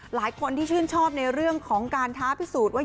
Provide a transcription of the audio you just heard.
หลายคนที่ชื่นชอบในเรื่องของการท้าพิสูจน์ว่า